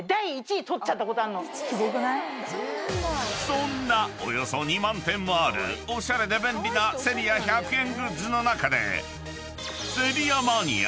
［そんなおよそ２万点もあるおしゃれで便利なＳｅｒｉａ１００円グッズの中で］